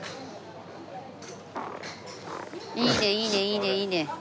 いいねいいねいいねいいね。